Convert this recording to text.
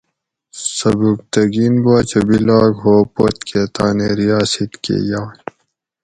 سبکتگین باچہ بیلاگ ہو پُت کہۤ تانی ریاسِت کہۤ یائ